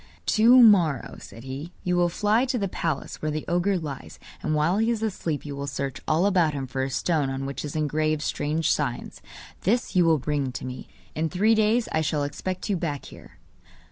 'To morrow,' said he, 'you will fly to the palace where the ogre lies, and while he is asleep you will search all about him for a stone on which is engraved strange signs; this you will bring to me. In three days I shall expect you back here.